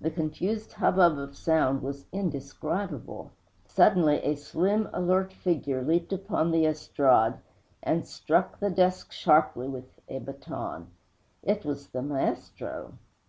The confused hubbub of sound was indescribable. Suddenly a slim, alert figure leaped upon the estrade and struck the desk sharply with a baton. It was the maestro!